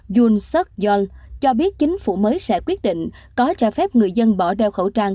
yoon seok yeol cho biết chính phủ mới sẽ quyết định có cho phép người dân bỏ đeo khẩu trang